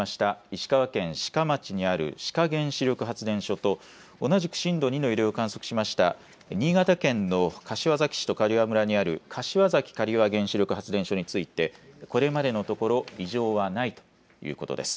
石川県志賀町にある志賀原子力発電所と同じく震度２の揺れを観測しました新潟県の柏崎市と刈羽村にある柏崎刈羽原子力発電所についてこれまでのところ異常はないということです。